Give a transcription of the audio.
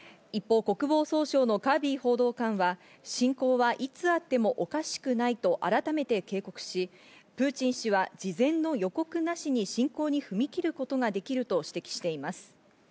一方、国防総省のカービー報道官は侵攻はいつあってもおかしくないと改めて警告し、プーチン氏は事前の予告なしに侵攻に踏み切ることができると指摘しています。